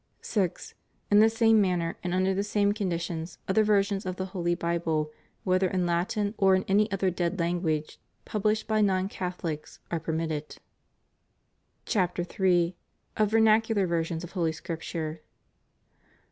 6. In the same manner, and under the same conditions, other versions of the Holy Bible, whether in Latin or in any other dead language, published by non Catholics, are permitted. CHAPTER III. Of Vernacular Versions of Holy Scripture.